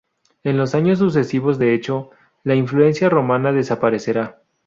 En los años sucesivos de hecho, la influencia romana desaparecerá.